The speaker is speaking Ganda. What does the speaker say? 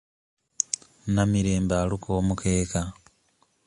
Namirembe aluka omukeeka.